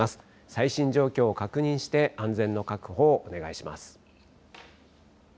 最新状況を確認して安全の確保をお願いします。